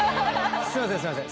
すいませんすいません。